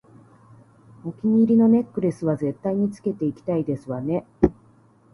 お気に入りのネックレスは絶対につけていきたいですわね